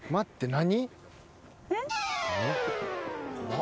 何？